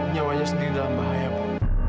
nyawanya sendiri dalam bahaya pak